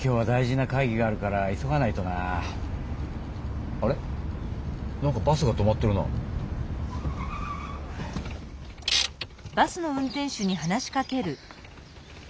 なんかバスが止まってるな。